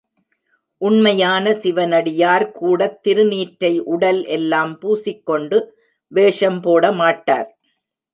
உண்மையான சிவனடியார்கூடத் திருநீற்றை உடல் எல்லாம் பூசிக் கொண்டு வேஷம் போட மாட்டார்.